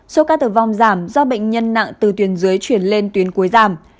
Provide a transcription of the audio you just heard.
số ca tử vong giảm do bệnh nhân nặng từ tuyến dưới chuyển lên tuyến cuối giảm